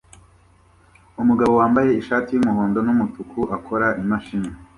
Umugabo wambaye ishati yumuhondo numutuku akora imashini